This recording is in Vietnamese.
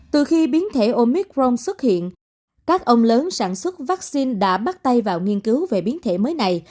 từ khi biến thể omicron xuất hiện các ông lớn sản xuất vaccine đã bắt tay vào nghiên cứu về biến thể mới này